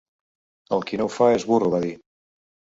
El qui no ho fa és burro, va dir.